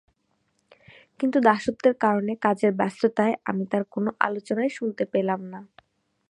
কিন্তু দাসত্বের কারণে কাজের ব্যস্ততায় আমি তার কোন আলোচনাই শুনতে পেলাম না।